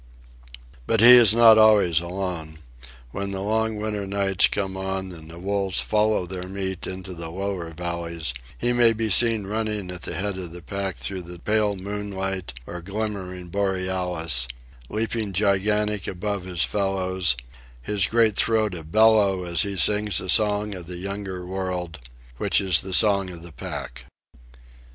But he is not always alone. When the long winter nights come on and the wolves follow their meat into the lower valleys, he may be seen running at the head of the pack through the pale moonlight or glimmering borealis, leaping gigantic above his fellows, his great throat a bellow as he sings a song of the younger world, which is the song of the pack.